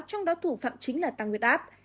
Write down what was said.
trong đó thủ phạm chính là tăng huyết áp